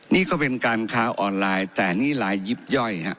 นี่ก็เป็นการค้าออนไลน์แต่นี่ลายยิบย่อยฮะ